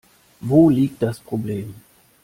Wo liegt das Problem?